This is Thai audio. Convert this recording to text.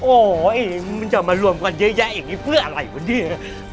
โอ้โหมันจะมารวมกันเยอะแยะอย่างนี้เพื่ออะไรวะเนี่ย